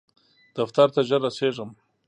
دفتر ته ژر رسیږم